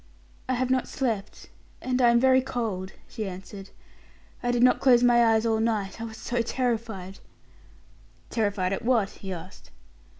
"I have not slept, and I am very cold," she answered. "I did not close my eyes all night, I was so terrified." "Terrified at what?" he asked.